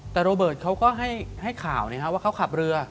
แต่โรเบิร์ตเขาก็ให้ข่าวว่าเขาขับเรือ